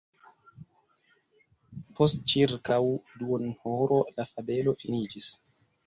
Post ĉirkaŭ duonhoro la fabelo finiĝis.